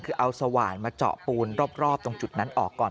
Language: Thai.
คือเอาสว่านมาเจาะปูนรอบตรงจุดนั้นออกก่อน